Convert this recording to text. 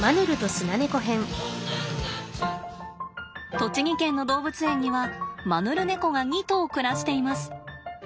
栃木県の動物園にはマヌルネコが２頭暮らしています。